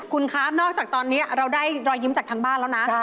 คุณคะนอกจากตอนนี้เราได้รอยยิ้มจากทางบ้านแล้วนะ